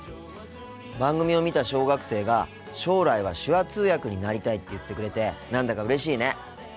番組を見た小学生が将来は手話通訳になりたいって言ってくれて何だかうれしいね。